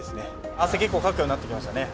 汗、結構かくようになってきましたね。